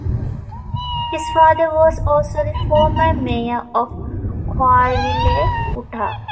His father was also the former mayor of Coalville, Utah.